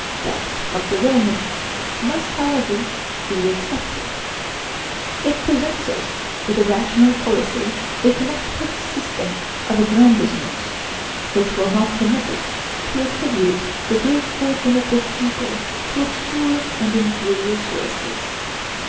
That of the Romans must, however, be excepted. It presents us with a rational policy, a connected system of aggrandizement, which will not permit us to attribute the great fortune of this people to obscure and inferior sources.